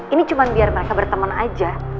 ini cuma biar mereka berteman aja